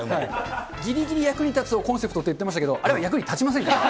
ギリギリ役に立つをコンセプトにって言ってましたけど、あれは役に立ちませんから。